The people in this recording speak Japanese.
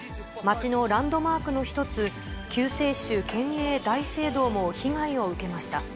街のランドマークの１つ、救世主顕栄大聖堂も被害を受けました。